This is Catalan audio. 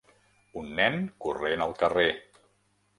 un nen corrent al carrer.